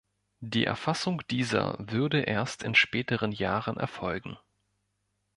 Die Erfassung dieser würde erst in späteren Jahren erfolgen.